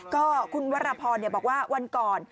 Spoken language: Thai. ก็คุณวรพรบอกว่าวันก่อน